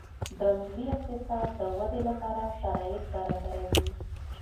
د ملي اقتصاد د ودې لپاره شرایط برابروي